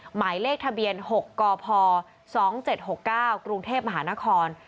หมายเลขทะเบียน๖กพ๒๗๖๙กรุงเทพมหานคร